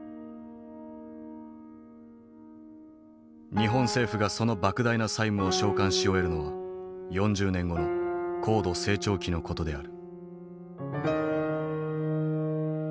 日本政府がその莫大な債務を償還し終えるのは４０年後の高度成長期の事である。